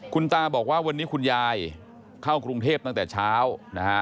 คุณตาบอกว่าวันนี้คุณยายเข้ากรุงเทพตั้งแต่เช้านะฮะ